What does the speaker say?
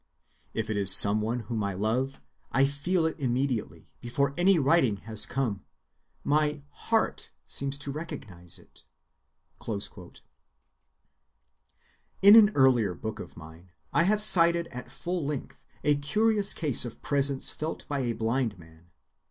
If it is some one whom I love, I feel it immediately, before any writing has come. My heart seems to recognize it." In an earlier book of mine I have cited at full length a curious case of presence felt by a blind man.